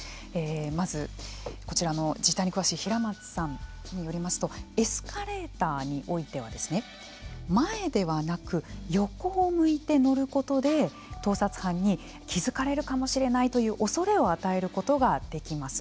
まず、こちらの実態に詳しい平松さんによりますとエスカレーターにおいては前ではなく横を向いて乗ることで盗撮犯に気付かれるかもしれないという恐れを与えることができます。